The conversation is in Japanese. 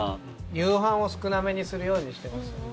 夕飯を少なめにするようにしてます。